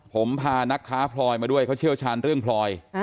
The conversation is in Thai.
ผมพานักค้าพลอยมาด้วยเขาเชี่ยวชาญเรื่องพลอย